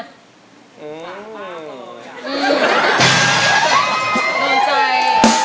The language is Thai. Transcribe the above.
โน่นใจ